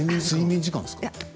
睡眠時間ですか？